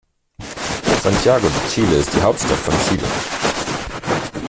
Santiago de Chile ist die Hauptstadt von Chile.